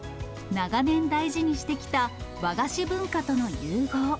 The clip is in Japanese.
長年大事にしてきた和菓子文化との融合。